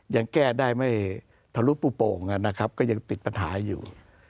ยังแก้ได้ไม่ทะลุปูโป่งนะครับก็ยังติดปัญหาอยู่